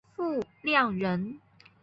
傅亮人。